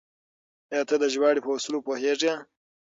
آيا ته د ژباړې په اصولو پوهېږې؟